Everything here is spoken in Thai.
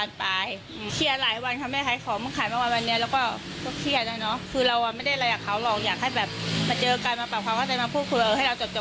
สสิบ